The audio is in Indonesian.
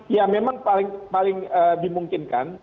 ya memang paling dimungkinkan